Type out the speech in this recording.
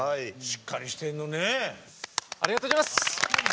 ありがとうございます。